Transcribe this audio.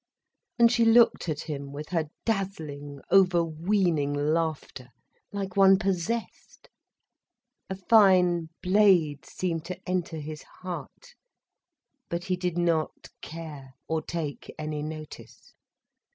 And she looked at him with her dazzling, overweening laughter, like one possessed. A fine blade seemed to enter his heart, but he did not care, or take any notice.